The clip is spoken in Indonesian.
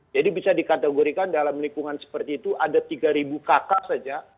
jadi bisa dikategorikan dalam lingkungan seperti itu ada tiga ribu kakak saja